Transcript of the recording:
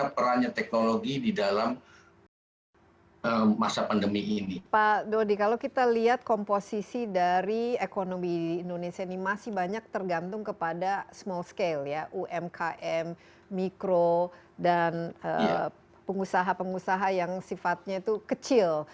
pak dodi kalau kita lihat komposisi dari ekonomi indonesia ini masih banyak tergantung kepada small scale ya umkm mikro dan pengusaha pengusaha yang sifatnya itu kecil